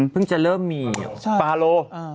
พราโล